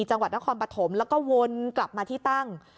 จังหวัดนครปฐมแล้วก็วนกลับมาที่ตั้ง